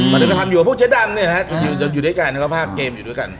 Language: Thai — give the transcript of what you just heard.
ตอนนี้ก็ทำอยู่กับผู้เชียร์ดังอยู่ในการภาคเกมอยู่ด้วยกัน